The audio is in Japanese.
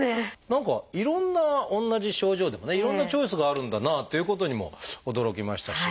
何かいろんな同じ症状でもねいろんなチョイスがあるんだなということにも驚きましたし。